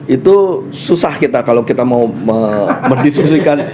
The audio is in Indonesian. itu susah kita kalau kita mau mendiskusikan